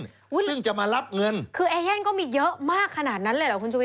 ซึ่งจะมารับเงินคือเอเย่นก็มีเยอะมากขนาดนั้นเลยเหรอคุณชุวิ